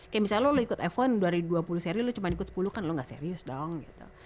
kayak misalnya lo ikut f satu dari dua puluh seri lo cuma ikut sepuluh kan lo gak serius dong gitu